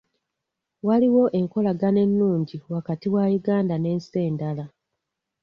Waliwo enkolagana ennungi wakati wa Uganda n'ensi endala.